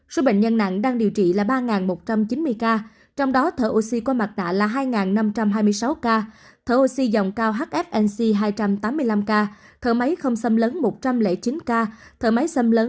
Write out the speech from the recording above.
số bệnh nhân nặng đang điều trị là ba một trăm chín mươi ca trong đó thở oxy qua mặt nạ là hai năm trăm hai mươi sáu ca thở oxy dòng cao hf nc hai trăm tám mươi năm ca thở máy không xâm lấn một trăm linh chín ca thở máy xâm lấn